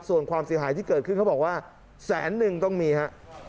ส่วนความเสียหายที่เกิดขึ้นเขาบอกว่าแสนนึงต้องมีฮะ